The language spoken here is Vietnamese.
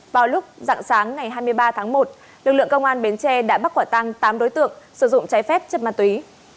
vào lúc dạng sáng ngày hai mươi ba tháng một lực lượng công an bến tre đã bắt quả tăng tám đối tượng sử dụng trái phép chất ma túy